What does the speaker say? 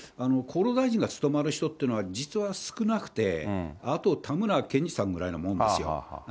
厚労大臣が務まる人っていうのは、実は少なくて、あと田村謙治さんぐらいなもんですよ。